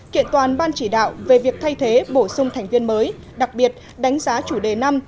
kiện toàn ban chỉ đạo về việc thay thế bổ sung thành viên mới đặc biệt đánh giá chủ đề năm